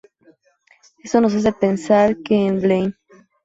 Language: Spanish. Eso nos hace pensar que en Blame!